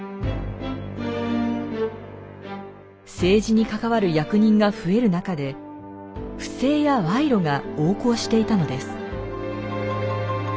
政治に関わる役人が増える中で不正やワイロが横行していたのです。